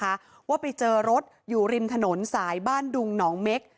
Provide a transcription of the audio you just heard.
เพราะว่าไปเจอรถอยู่ริมถนนสายบ้านดุงหนองเม็ก